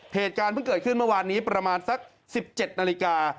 เหตุการณ์เพิ่งเกิดขึ้นเมื่อวานนี้ประมาณสัก๑๗นาฬิกา